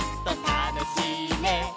「たのしいね」